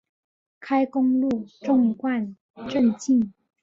开公路纵贯镇境。